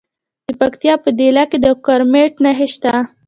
د پکتیکا په دیله کې د کرومایټ نښې شته.